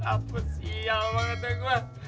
apa siap banget ya gue